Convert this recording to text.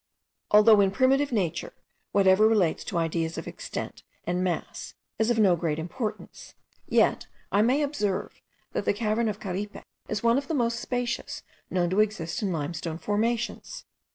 Although, in primitive nature, whatever relates to ideas of extent and mass is of no great importance, yet I may observe, that the cavern of Caripe is one of the most spacious known to exist in limestone formations.